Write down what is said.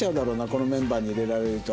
このメンバーに入れられると。